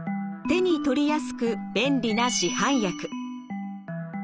手に取りやすく便利な市販薬。